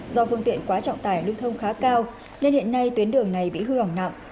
do phương tiện quá trọng tải lưu thông khá cao nên hiện nay tuyến đường này bị hư hỏng nặng